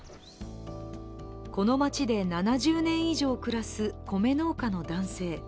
この町で７０年以上暮らす、米農家の男性。